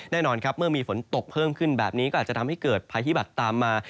แน่นอนครับเมื่อมีฝนตกเพิ่มขึ้นแบบนี้ก็อาจจะทำให้เกิดภัยฮิบัตรตามมา